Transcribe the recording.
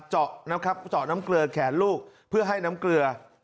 เจาะน้ำเกลือแขนลูกเพื่อให้น้ำเกลือ